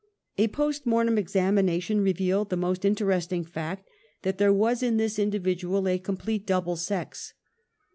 A post mortem examination revealed the most in teresting fact that there was in this individual, a complete double sex.